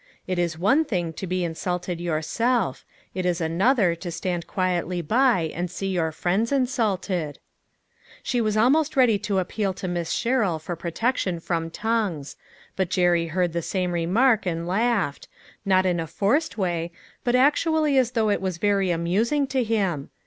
It is one thing to be insulted yourself ; it is another to stand quietly by and see your friends insulted. THE FLOWER PARTY. 319 She was almost ready to appeal to Miss Sherrill for protection from tongues. But Jerry heard the same remark, and laughed ; not in a forced way, but actually as though it was very amusing to him.